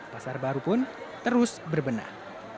pasar baru pun terus berbenah